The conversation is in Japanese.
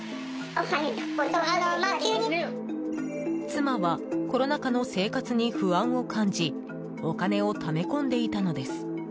妻はコロナ禍の生活に不安を感じお金をため込んでいたのです。